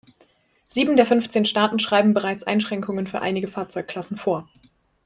Sieben der fünfzehn Staaten schreiben bereits Einschränkungen für einige Fahrzeugklassen vor.